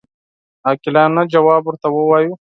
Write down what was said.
عاقلانه ځواب ورته ووایو.